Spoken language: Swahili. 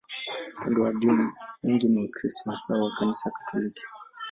Upande wa dini, wengi ni Wakristo, hasa wa Kanisa Katoliki.